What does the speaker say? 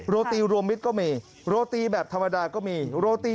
โรตีรวมมิตรก็มีโรตีแบบธรรมดาก็มีโรตี